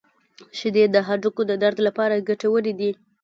• شیدې د هډوکو د درد لپاره ګټورې دي.